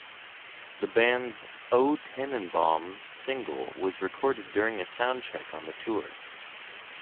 The band's "O Tannenbaum" single was recorded during a sound check on the tour.